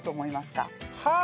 はあ！